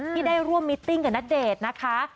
ที่ได้ร่วมมิตติ้งกับณเดชน์นะคะ